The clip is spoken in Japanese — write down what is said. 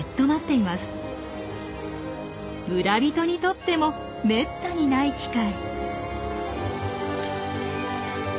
村人にとってもめったにない機会。